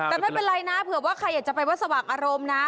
แต่ไม่เป็นไรนะเผื่อว่าใครอยากจะไปวัดสว่างอารมณ์นะ